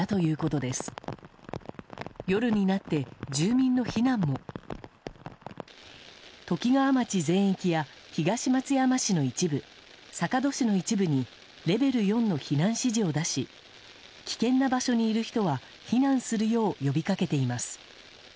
ときがわ町全域や東松山市の一部坂戸市の一部にレベル４の避難指示を出し危険な場所にいる人は避難するよう呼びかけています。